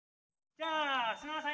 じゃあすいません。